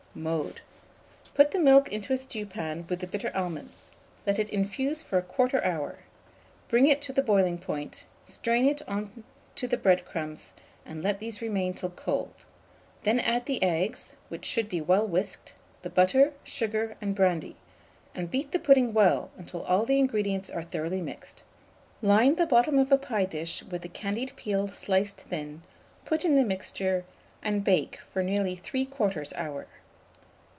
Mode. Put the milk into a stewpan, with the bitter almonds; let it infuse for 1/4 hour; bring it to the boiling point; strain it on to the bread crumbs, and let these remain till cold; then add the eggs, which should be well whisked, the butter, sugar, and brandy, and beat the pudding well until all the ingredients are thoroughly mixed; line the bottom of a pie dish with the candied peel sliced thin, put in the mixture, and bake for nearly 3/4 hour.